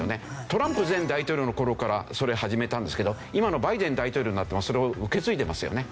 トランプ前大統領の頃からそれ始めたんですけど今のバイデン大統領になってもそれを受け継いでいますよね。